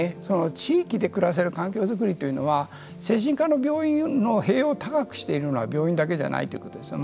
地域で暮らせる環境づくりというのは精神科の病院の塀を高くしているのは病院だけじゃないということですね。